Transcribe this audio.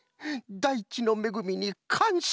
だいちのめぐみにかんしゃ。